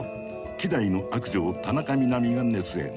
希代の悪女を田中みな実が熱演。